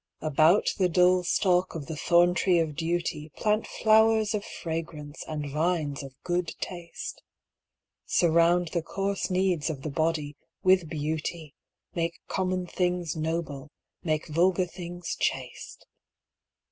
About the dull stalk of the thorntree of duty Plant flowers of fragrance and vines of good taste. Surround the coarse needs of the body with beauty, Make common things noble, make vulgar things chaste.